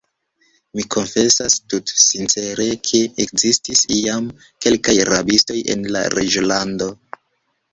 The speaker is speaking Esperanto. Mi konfesas tutsincere, ke ekzistis iam kelkaj rabistoj en la reĝolando.